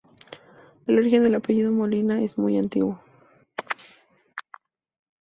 El origen del apellido Molina es muy antiguo.